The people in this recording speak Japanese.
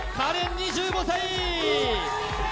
２５歳！